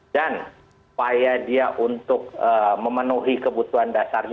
dan upaya dia untuk memenuhi kebutuhan dasarnya